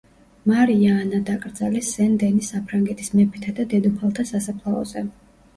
მარია ანა დაკრძალეს სენ-დენის საფრანგეთის მეფეთა და დედოფალთა სასაფლაოზე.